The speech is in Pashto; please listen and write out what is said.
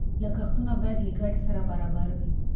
لګښتونه باید له ګټې سره برابر وي.